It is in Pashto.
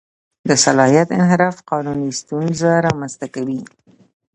د صلاحیت انحراف قانوني ستونزه رامنځته کوي.